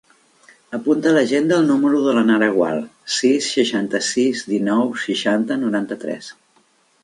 Apunta a l'agenda el número de la Nara Gual: sis, seixanta-sis, dinou, seixanta, noranta-tres.